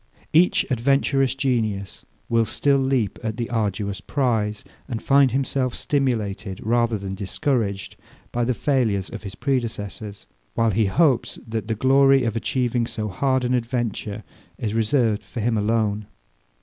Each adventurous genius will still leap at the arduous prize, and find himself stimulated, rather that discouraged, by the failures of his predecessors; while he hopes that the glory of achieving so hard an adventure is reserved for him alone.